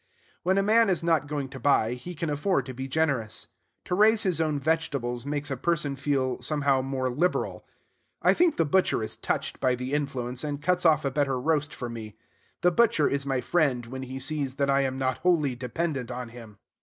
When a man is not going to buy, he can afford to be generous. To raise his own vegetables makes a person feel, somehow, more liberal. I think the butcher is touched by the influence, and cuts off a better roast for me, The butcher is my friend when he sees that I am not wholly dependent on him.